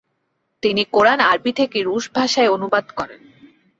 তিনি কোরআন আরবি থেকে রুশ ভাষায় অনুবাদ করেন।